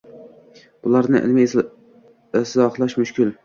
Bularni ilmiy izohlash mushkul.